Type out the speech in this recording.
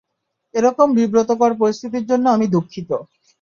এরকম বিব্রতকর পরিস্থিতির জন্য আমি দুঃখিত!